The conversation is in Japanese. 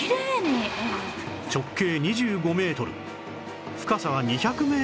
直径２５メートル深さは２００メートル近いという